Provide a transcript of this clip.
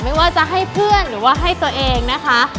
ไม่ว่าจะให้เพื่อนหรือว่าให้ตัวเองนะคะ